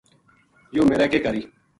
یوہ میرے کے کاری